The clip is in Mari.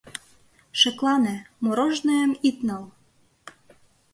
— Шеклане, мороженыйым ит нал!